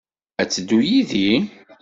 Ad teddu yid-i?